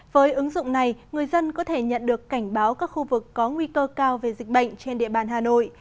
với ứng dụng này người dân có thể nhận được cảnh báo các khu vực có nguy cơ cao về dịch bệnh trên địa bàn hà nội